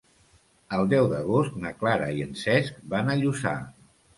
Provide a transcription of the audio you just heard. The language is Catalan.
El deu d'agost na Clara i en Cesc van a Lluçà.